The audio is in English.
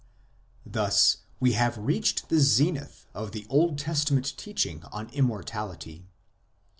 Thus we have reached the zenith of the Old Testament teaching on Immortality.